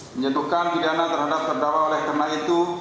menyatukan pidana terhadap perdakwa oleh kena itu